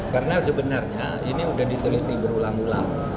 karena sebenarnya ini sudah diteliti berulang ulang